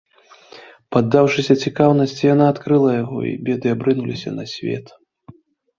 Паддаўшыся цікаўнасці, яна адкрыла яго, і беды абрынуліся на свет.